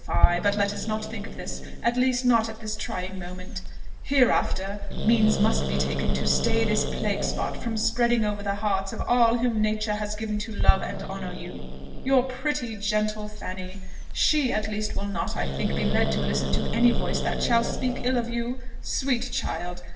fie! But let us not think of this, at least, not at this trying moment. Hereafter means must be taken to stay this plague spot from spreading over the hearts of all whom nature has given to love and honour you. Your pretty, gentle Fanny! she at least will not, I think, be led to listen to any voice that shall speak ill of you: sweet child!